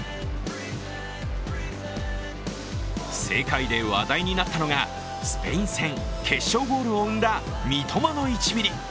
世界で話題になったのがスペイン戦、決勝ゴールを生んだ三笘の１ミリ。